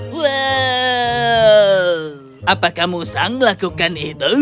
wow apakah kamu sang melakukan itu